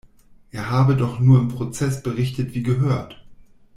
Er habe doch nur im Prozess berichtet wie gehört.